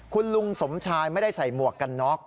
คุณลุงสมชายไม่ได้ใส่หมวกกันน็อก